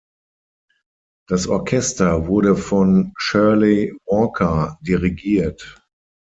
Das Orchester wurde von Shirley Walker dirigiert.